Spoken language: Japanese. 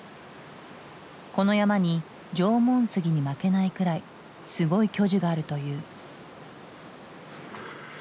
この山に縄文杉に負けないくらいすごい巨樹があるという。